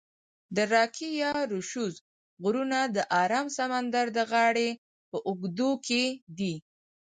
د راکي یا روشوز غرونه د آرام سمندر د غاړي په اوږدو کې دي.